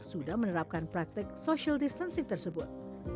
sudah menerapkan praktek social distancing tersebut